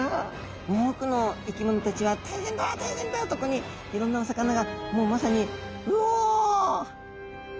多くの生き物たちは「大変だ！大変だ！」特にいろんなお魚がもうまさにうお！